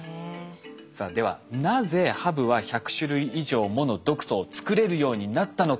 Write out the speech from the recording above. さあではなぜハブは１００種類以上もの毒素を作れるようになったのか。